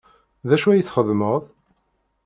D acu ay txeddmeḍ?